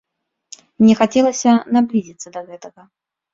Мне хацелася наблізіцца да гэтага.